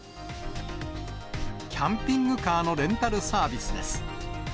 キャンピングカーのレンタルサービスです。